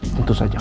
tentu saja kanjang